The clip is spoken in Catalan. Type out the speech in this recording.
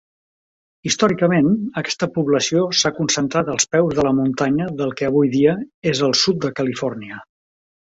Històricament, aquesta població s'ha concentrat als peus de la muntanya del que avui dia és el Sud de Califòrnia.